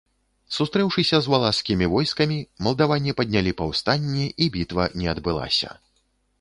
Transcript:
Сустрэўшыся з валашскімі войскамі, малдаване паднялі паўстанне, і бітва не адбылася.